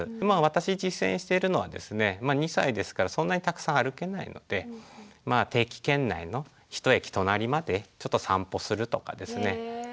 まあ私実践しているのはですねまあ２歳ですからそんなにたくさん歩けないので定期券内の１駅隣までちょっと散歩するとかですね。